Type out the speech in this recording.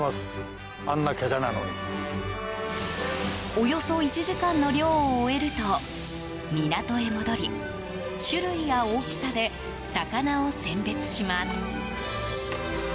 およそ１時間の漁を終えると港へ戻り種類や大きさで魚を選別します。